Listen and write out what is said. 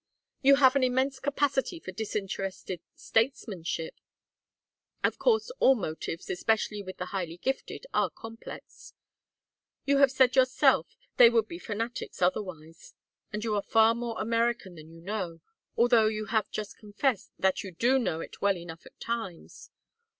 "You have an immense capacity for disinterested statesmanship. Of course all motives, especially with the highly gifted, are complex. You have said yourself they would be fanatics otherwise. And you are far more American than you know, although you have just confessed that you do know it well enough at times.